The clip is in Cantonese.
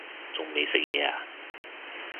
仲未食嘢呀